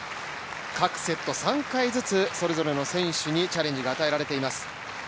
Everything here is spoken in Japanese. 各セット３回ずつ、それぞれの選手にチャレンジが与えられています。